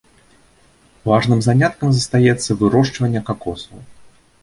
Важным заняткам застаецца вырошчванне какосаў.